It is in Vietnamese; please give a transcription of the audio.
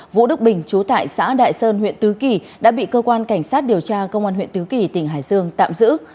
vũ đức bình chú tại xã đại sơn huyện tứ kỳ đã bị cơ quan cảnh sát điều tra công an huyện tứ kỳ tỉnh hải dương tạm giữ